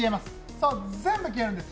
そう、全部消えるんです。